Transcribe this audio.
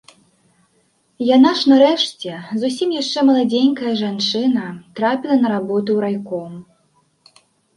Яна ж нарэшце, зусім яшчэ маладзенькая жанчына, трапіла на работу ў райком.